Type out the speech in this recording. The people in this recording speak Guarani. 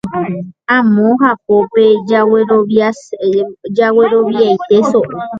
amo hapópe jagueroviaite so'o.